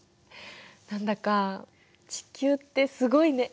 何だか地球ってすごいね。